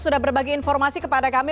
sudah berbagi informasi kepada kami